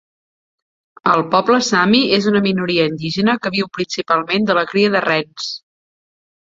El poble Sami és una minoria indígena que viu principalment de la cria de rens.